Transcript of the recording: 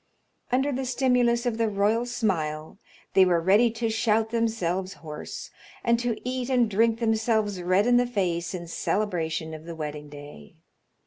Under the stimulus of the royal smile they were ready to shout themselves hoarse, and to eat and drink themselves red in the face in celebration of the wedding day.